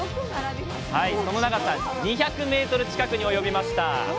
その長さ２００メートル近くに及びました原宿